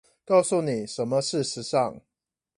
告訴妳什麼是時尚